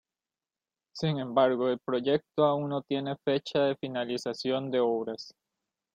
Sin embargo, el proyecto aún no tiene fecha de finalización de obras.